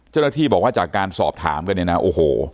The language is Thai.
เจ้าหน้าที่บอกว่าจากการสอบถามกันเนี่ยนะโอ้โห